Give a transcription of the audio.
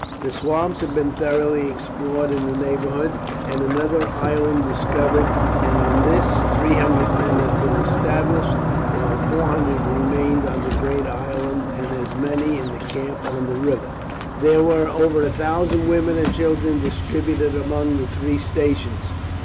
The swamps had been thoroughly explored in the neighbourhood, and another island discovered, and on this three hundred men had been established, while four hundred remained on the great island, and as many in the camp on the river. There were over a thousand women and children distributed among the three stations.